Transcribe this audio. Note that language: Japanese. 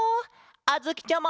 あづきちゃま！